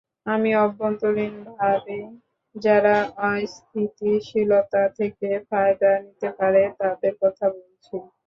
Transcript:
আমি অভ্যন্তরীণভাবেই যারা অস্থিতিশীলতা থেকে ফায়দা নিতে পারে, তাদের কথা বলছি।